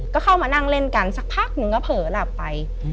ก็เข้ามานั่งเล่นกันสักพักหนึ่งก็เผลอหลับไป